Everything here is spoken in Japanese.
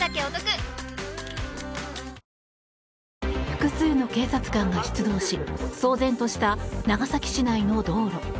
複数の警察官が出動し騒然とした長崎市内の道路。